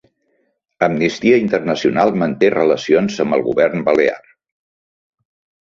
Amnistia Internacional manté relacions amb el govern balear